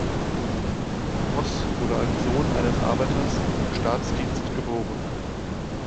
Voss wurde als Sohn eines Arbeiters im Staatsdienst geboren.